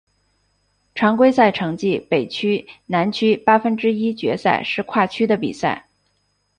常规赛成绩北区南区八分之一决赛是跨区的比赛。